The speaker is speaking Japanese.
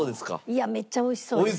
いやめっちゃおいしそうですね。